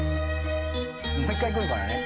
もう一回来るからね。